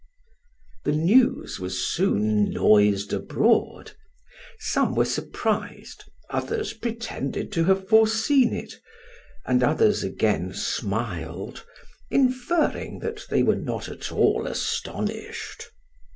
The news was soon noised abroad. Some were surprised, others pretended to have foreseen it, and others again smiled, inferring that they were not at all astonished.